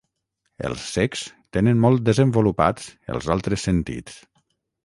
Els cecs tenen molt desenvolupats els altres sentits.